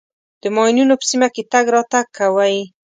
د ماینونو په سیمه کې تګ راتګ کوئ.